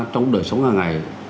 trong đời sống hàng ngày